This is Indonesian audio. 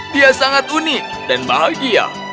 dia sangat unik dan bahagia